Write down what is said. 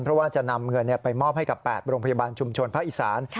เพราะว่าจะนำเงินไปมอบให้กับ๘โรงพยาบาลชุมชนภาคอีสาน